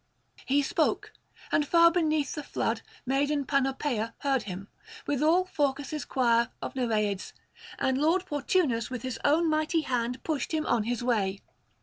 He spoke, and far beneath the flood maiden Panopea heard him, with all Phorcus' choir of Nereids, and lord Portunus with his own mighty hand pushed him on his way.